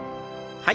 はい。